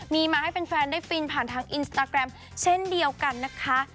มีมาให้แฟนได้ฟินผ่านทางอินสตาแกรมเช่นเดียวกันนะคะ